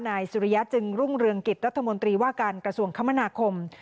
สุริยะจึงรุ่งเรืองกิจรัฐมนตรีว่าการกระทรวงคมนาคม